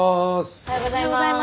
おはようございます。